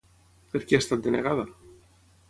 Per qui ha estat denegada?